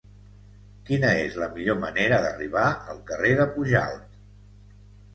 Quina és la millor manera d'arribar al carrer de Pujalt?